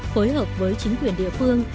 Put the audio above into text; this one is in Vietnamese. hối hợp với chính quyền địa phương